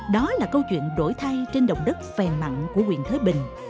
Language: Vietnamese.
đó là câu chuyện đổi thay trên đồng đất phèn mặn của quyền thới bình